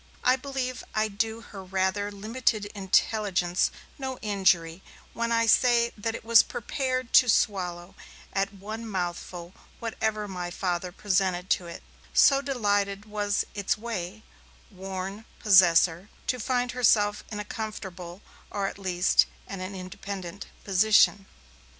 I believe I do her rather limited intelligence no injury when I say that it was prepared to swallow, at one mouthful, whatever my Father presented to it, so delighted was its way worn possessor to find herself in a comfortable, or, at least, an independent position.